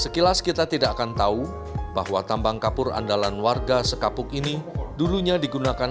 sekilas kita tidak akan tahu bahwa tambang kapur andalan warga sekapuk ini dulunya digunakan